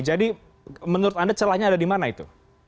jadi menurut anda celahnya ada di mana itu